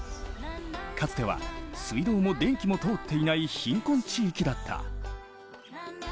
かつては水道も電気も通っていない貧困地域だった。